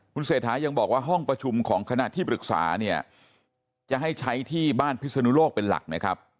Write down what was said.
คุณเศรษฐายังบอกว่าห้องประชุมของคณะที่ปรึกษาเนี่ยจะให้ใช้ที่บ้านพิศนุโลกเป็นหลักนะครับ